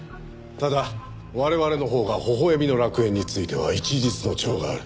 ただ我々のほうが微笑みの楽園については一日の長がある。